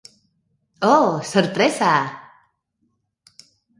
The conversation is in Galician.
¡Oh, sorpresa!